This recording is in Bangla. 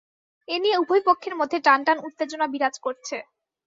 এ নিয়ে উভয় পক্ষের মধ্যে টানটান উত্তেজনা বিরাজ করছে।